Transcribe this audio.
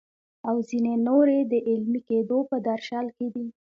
او ځینې نورې د عملي کیدو په درشل کې دي.